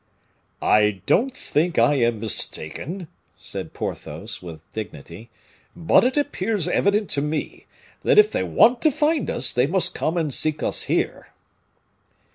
"I don't think I am mistaken," said Porthos, with dignity; "but it appears evident to me that if they want to find us, they must come and seek us here."